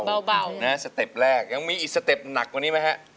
เบานะสเต็ปแรกยังมีอีกสเต็ปหนักกว่านี้ไหมฮะ